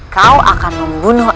kau akan membunuh